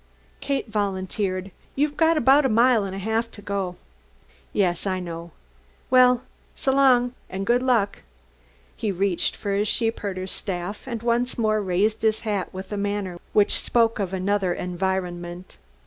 Kate volunteered: "You've about a mile and a half to go." "Yes, I know. Well s'long, and good luck!" He reached for his sheepherder's staff and once more raised his hat with a manner which spoke of another environment.